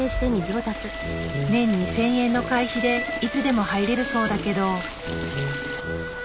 年２，０００円の会費でいつでも入れるそうだけど。